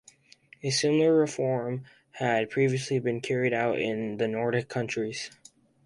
A similar reform had previously been carried out in the Nordic countries.